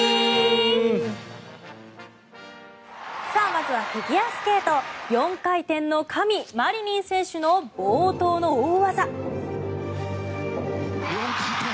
まずはフィギュアスケート４回転の神、マリニン選手の冒頭の大技。